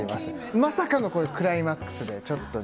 まさかのクライマックスで、ちょっとね。